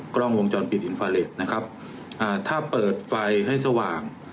กล้องวงจรปิดนะครับอ่าถ้าเปิดไฟให้สว่าง